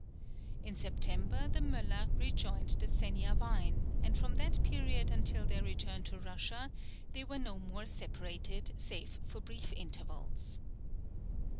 In September the Möller rejoined the Seniavine, and, from that period until their return to Russia, they were no more separated, save for brief intervals.